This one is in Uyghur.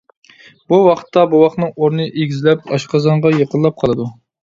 بۇ ۋاقىتتا بوۋاقنىڭ ئورنى ئېگىزلەپ، ئاشقازانغا يېقىنلاپ قالىدۇ.